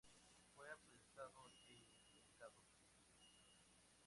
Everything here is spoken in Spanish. Fue apresado e incomunicado.